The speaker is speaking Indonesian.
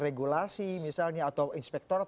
regulasi misalnya atau inspektorat